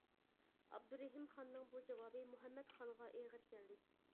ئابدۇرېھىم خاننىڭ بۇ جاۋابى مۇھەممەت خانغا ئېغىر كەلدى.